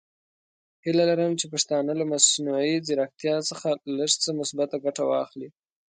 هیله لرم چې پښتانه له مصنوعي زیرکتیا څخه لږ څه مثبته ګټه واخلي.